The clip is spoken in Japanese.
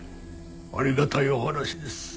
ありがたいお話です。